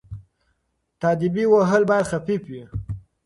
تاديبي وهل باید خفيف وي.